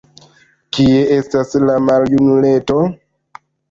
Kie estas la maljunuleto?